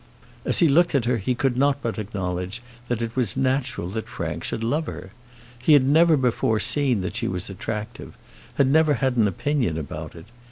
As he looked at her he could not but acknowledge that it was natural that Frank should love her. He had never before seen that she was attractive; had never had an opinion about it.